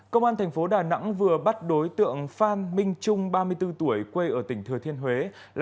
công an thành phố đà nẵng vừa bắt đối tượng phan minh trung ba mươi bốn tuổi quê ở tỉnh thừa thiên huế